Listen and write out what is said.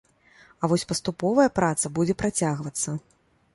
А вось паступовая праца будзе працягвацца.